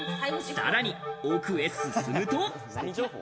さらに奥へ進むと。